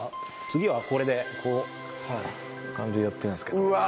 次はこれでこうこんな感じでやってるんですけど。